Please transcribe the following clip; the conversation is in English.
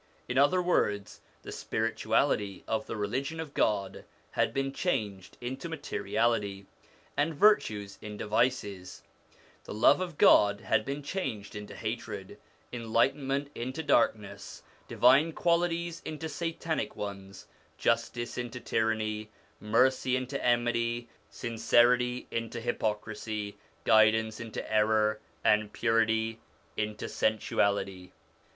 In other words, the spirituality of the Religion of God had been changed into material ity, and virtues into vices ; the love of God had been changed into hatred, enlightenment into darkness, divine qualities into Satanic ones, justice into tyranny, mercy into enmity, sincerity into hypocrisy, guidance into error, and purity into sensuality.